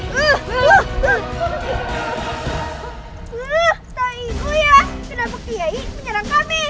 kenapa kiai menyerang kami